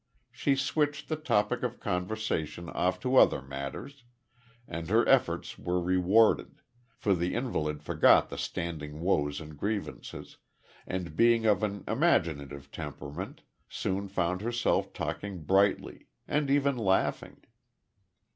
She switched the topic of conversation off to other matters, and her efforts were rewarded, for the invalid forgot the standing woes and grievances, and being of an imaginative temperament, soon found herself talking brightly, and even laughing.